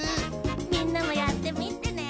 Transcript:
みんなもやってみてね！